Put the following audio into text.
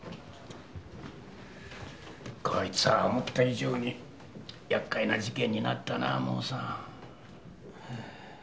こいつは思った以上にやっかいな事件になったなモーさん。